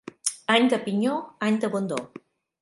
Any de pinyó, any d'abundor.